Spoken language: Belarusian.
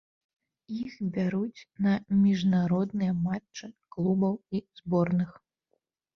Іх бяруць на міжнародныя матчы клубаў і зборных.